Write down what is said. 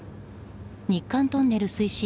日韓トンネル推進